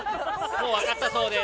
もう分かったそうです。